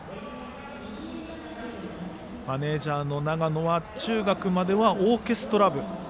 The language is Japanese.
マネージャーの永野は中学まではオーケストラ部。